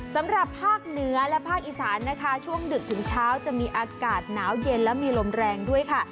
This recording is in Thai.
สำหรับภาคเหนือและภาคอีสานนะคะช่วงดึกถึงเช้าจะมีอากาศหนาวเย็นและมีลมแรงด้วยค่ะ